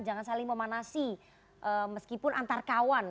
jangan saling memanasi meskipun antar kawan